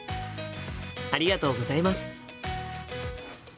ありがとうございます。